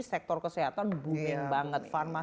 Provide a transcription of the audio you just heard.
sektor kesehatan booming banget